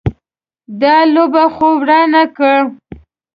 دا لوبه خو ورانه که.